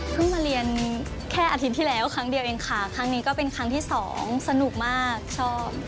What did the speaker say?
มาเรียนแค่อาทิตย์ที่แล้วครั้งเดียวเองค่ะครั้งนี้ก็เป็นครั้งที่สองสนุกมากชอบ